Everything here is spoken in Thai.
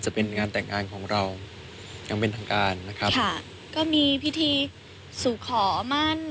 จะเป็นงานแต่งงานของเราอย่างเป็นทางการนะครับค่ะก็มีพิธีสู่ขอมั่น